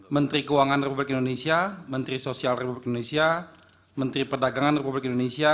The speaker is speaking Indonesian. menteri keuangan republik indonesia menteri sosial republik indonesia menteri perdagangan republik indonesia